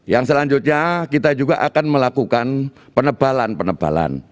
yang selanjutnya kita juga akan melakukan penebalan penebalan